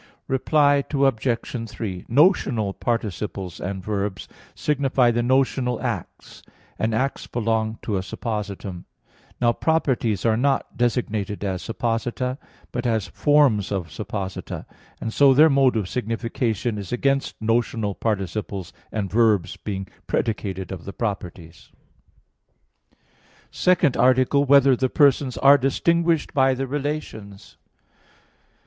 Reply Obj. 3: Notional participles and verbs signify the notional acts: and acts belong to a suppositum. Now, properties are not designated as supposita, but as forms of supposita. And so their mode of signification is against notional participles and verbs being predicated of the properties. _______________________ SECOND ARTICLE [I, Q. 40, Art. 2] Whether the Persons Are Distinguished by the Relations?